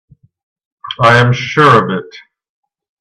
I am sure of it.